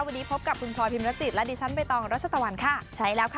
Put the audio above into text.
วันนี้พบกับคุณพลอยพิมรจิตและดิฉันใบตองรัชตะวันค่ะใช่แล้วค่ะ